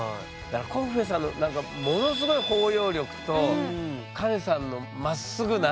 コッフェさんのものすごい包容力とカネさんのまっすぐな。